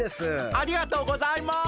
ありがとうございます。